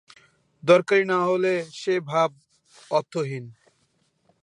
দরকারি না হলে সে-ভাব অর্থহীন।